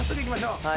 はい。